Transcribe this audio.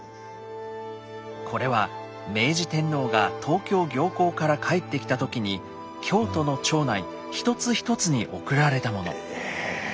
これは明治天皇が東京行幸から帰ってきた時に京都の町内一つ一つに贈られたもの。え！